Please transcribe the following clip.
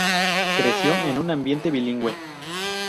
Creció en un ambiente bilingüe.